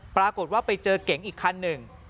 ปรากฏว่าไปเจอเก๋งอีกคันหนึ่ง